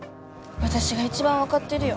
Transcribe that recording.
私が一番分かってるよ